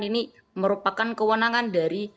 ini merupakan kewenangan dari